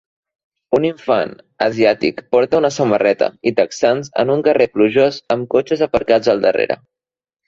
Un infant asiàtic porta una samarreta i texans en un carrer plujós amb cotxes aparcats al darrere.